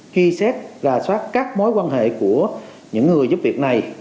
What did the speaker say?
ghi xét và xoát các mối quan hệ của những người giúp việc này